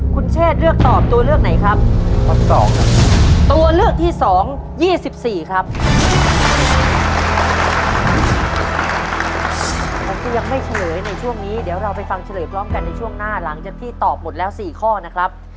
คุณเชศเลือกตอบตัวเลือกไหนครับ